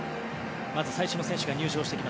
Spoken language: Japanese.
まず最初の選手が入場です。